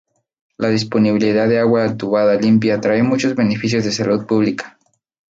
La disponibilidad de agua entubada limpia trae muchos beneficios de salud pública.